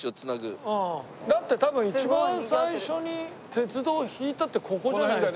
だって多分一番最初に鉄道を引いたってここじゃないですか？